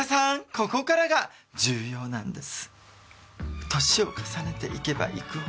ここからが重要なんです。